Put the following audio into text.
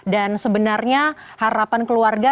dan sebenarnya harapan keluarga